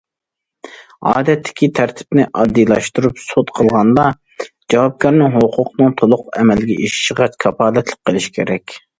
ئادەتتىكى تەرتىپنى ئاددىيلاشتۇرۇپ سوت قىلغاندا، جاۋابكارنىڭ ھوقۇقىنىڭ تولۇق ئەمەلگە ئېشىشىغا كاپالەتلىك قىلىش كېرەك.